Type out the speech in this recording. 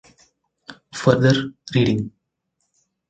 Further reading